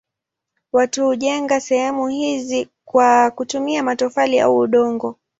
Watu hujenga sehemu hizo kwa kutumia matofali au udongo.